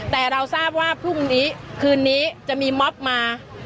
แต่เราทราบว่าพรุ่งนี้คืนนี้จะมีม็อบมา